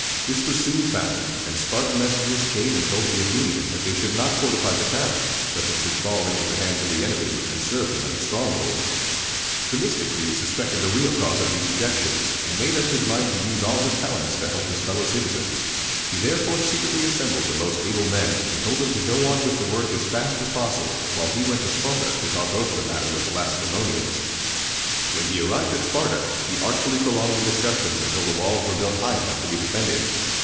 This was soon found, and Spartan messengers came and told the Athenians that they should not fortify the town, lest it should fall again into the hands of the enemy, and serve them as a stronghold. Themistocles suspected the real cause of these objections, and made up his mind to use all his talents to help his fellow citizens. He therefore secretly assembled the most able men, and told them to go on with the work as fast as possible, while he went to Sparta to talk over the matter with the Lacedæmonians. When he arrived at Sparta, he artfully prolonged the discussions until the walls were built high enough to be defended.